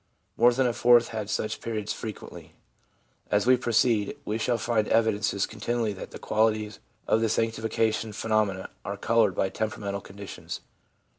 More than a fourth had such periods frequently. As we proceed, we shall find evidences continually that the qualities of the sanctification phenomena are coloured by temperamental conditions.